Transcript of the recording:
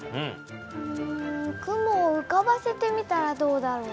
うん雲をうかばせてみたらどうだろう？